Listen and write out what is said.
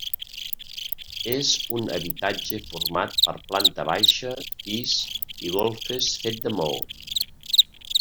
És un habitatge format per planta baixa, pis i golfes fet de maó.